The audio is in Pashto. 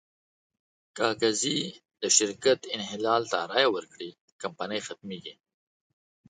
که قاضي د شرکت انحلال ته رایه ورکړي، کمپنۍ ختمېږي.